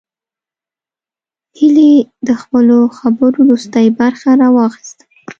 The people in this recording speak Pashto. هيلې د خپلو خبرو وروستۍ برخه راواخيسته